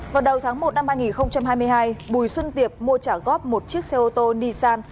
vào đầu tháng một năm hai nghìn hai mươi hai bùi xuân tiệp mua trả góp một chiếc xe ô tô nissan